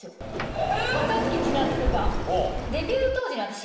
若槻千夏が。